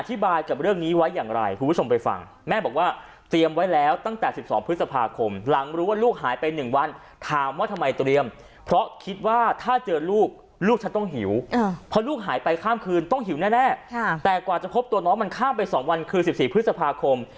แต่กว่าจะพบตัวน้องมันข้ามไป๒วันคือ๑๔พฤษภาคม